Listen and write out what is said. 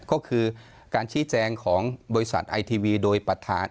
ก็คือการชี้แจงของบริษัทไอทีวีโดยประธาน